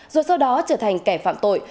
rồi sau đó trở thành kẻ phạm tội